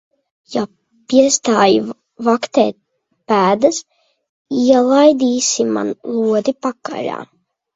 Ja piestāji vaktēt pēdas, ielaidīsi man lodi pakaļā.